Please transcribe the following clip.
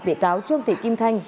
bị cáo trương thị kim thanh